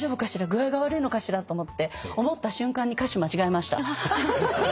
具合が悪いのかしら？と思って思った瞬間に歌詞間違えました。